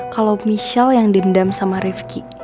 kalo michelle yang dendam sama rifki